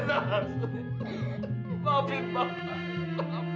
pak jangan bawa ibu saya pak